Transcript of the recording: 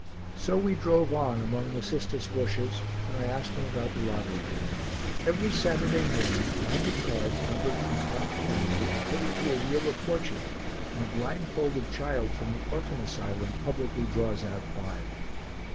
So we drove on among the cistus bushes and I asked him about the lottery. Every Saturday morning ninety cards numbered from one to ninety are put into a wheel of fortune and a blind folded child from the orphan asylum publicly draws out five.